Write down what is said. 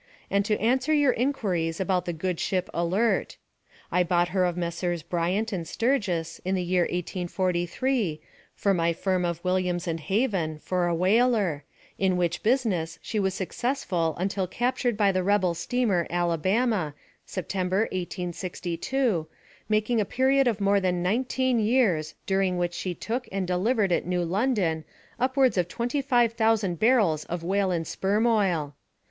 and to answer your inquiries about the good ship Alert. I bought her of Messrs. Bryant and Sturgis in the year 1843, for my firm of Williams and Haven, for a whaler, in which business she was successful until captured by the rebel steamer Alabama, September, 1862, making a period of more than nineteen years, during which she took and delivered at New London upwards of twenty five thousand barrels of whale and sperm oil.